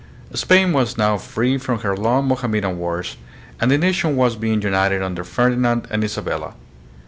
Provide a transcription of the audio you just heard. Spain was now free from her long Mohamme dan wars, and the nation was being united under Ferdi nand and Isabella.